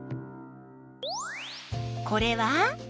これは？